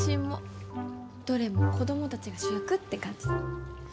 どれも子供たちが主役って感じで。